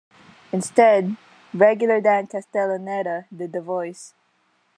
Instead, regular Dan Castellaneta did the voice.